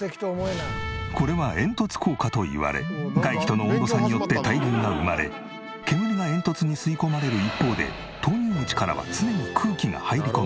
これは煙突効果といわれ外気との温度差によって対流が生まれ煙が煙突に吸い込まれる一方で投入口からは常に空気が入り込む。